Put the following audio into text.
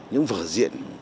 những vở diện